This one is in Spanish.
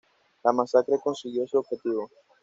La masacre consiguió su objetivo.